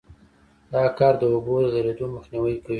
دا کار د اوبو د درېدو مخنیوی کوي